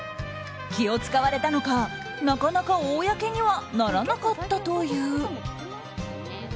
気を使われたのか、なかなか公にはならなかったという。